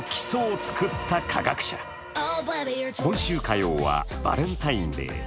今週火曜はバレンタインデー。